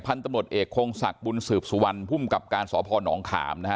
ตำรวจเอกคงศักดิ์บุญสืบสุวรรณภูมิกับการสพนขามนะฮะ